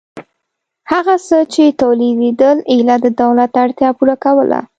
هغه څه چې تولیدېدل ایله د دولت اړتیا پوره کوله